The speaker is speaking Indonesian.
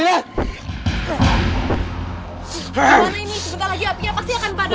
gimana ini sebentar lagi apinya pasti akan padam